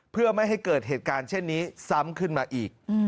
เพื่อไม่ให้เกิดเหตุการณ์เช่นนี้ซ้ำขึ้นมาอีก